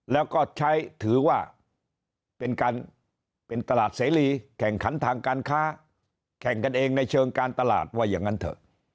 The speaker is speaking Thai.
แล้วก็ใช้ถือว่าเป็นการเป็นตลาดเสรีแข่งขันทางการค้าแข่งกันเองในเชิงการตลาดว่าอย่างนั้นเถอะ